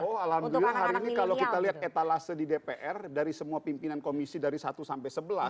oh alhamdulillah hari ini kalau kita lihat etalase di dpr dari semua pimpinan komisi dari satu sampai sebelas